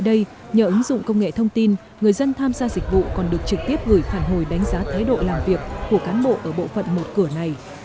theo nghệ thông tin người dân tham gia dịch vụ còn được trực tiếp gửi phản hồi đánh giá thái độ làm việc của cán bộ ở bộ phận một cửa này